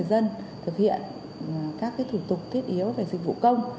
hướng dẫn người dân thực hiện các thủ tục thiết yếu về dịch vụ công